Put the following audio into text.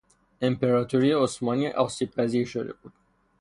امپراطوری عثمانی آسیبپذیر شده بود.